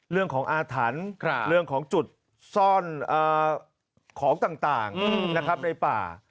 เรื่องของอาถรรพ์เรื่องของจุดซ่อนของต่างนะครับในป่า